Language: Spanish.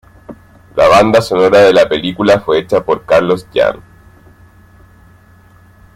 La banda sonora de la película fue hecha por Carlos Jean.